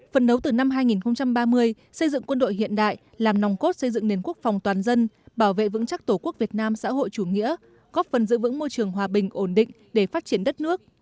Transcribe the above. phần nấu từ năm hai nghìn ba mươi xây dựng quân đội hiện đại làm nòng cốt xây dựng nền quốc phòng toàn dân bảo vệ vững chắc tổ quốc việt nam xã hội chủ nghĩa góp phần giữ vững môi trường hòa bình ổn định để phát triển đất nước